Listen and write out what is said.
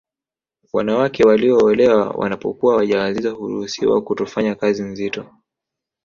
Wanawake walioolewa wanapokuwa waja wazito huruhusiwa kutofanya kazi nzito